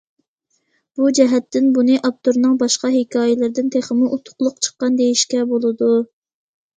بۇ جەھەتتىن بۇنى ئاپتورنىڭ باشقا ھېكايىلىرىدىن تېخىمۇ ئۇتۇقلۇق چىققان دېيىشكە بولىدۇ.